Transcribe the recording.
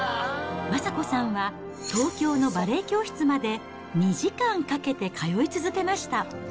昌子さんは、東京のバレエ教室まで２時間かけて通い続けました。